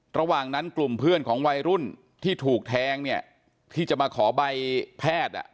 ระหว่างนั้นกลุ่มเพื่อนของวัยรุ่นที่ถูกแทงเนี่ยที่จะมาขอใบแพทย์